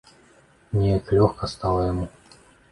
Нейк лёгка стала яму.